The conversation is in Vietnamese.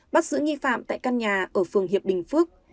bắt giữ nghi phạm tại căn nhà ở phường hiệp bình phước